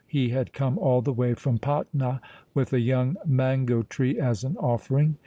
He had come all the way from Patna with a young mango tree as an offering.